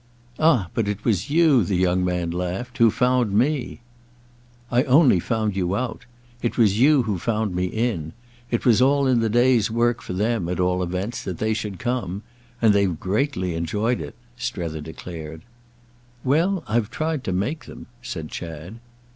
"Ah but it was you," the young man laughed, "who found me." "I only found you out. It was you who found me in. It was all in the day's work for them, at all events, that they should come. And they've greatly enjoyed it," Strether declared. "Well, I've tried to make them," said Chad.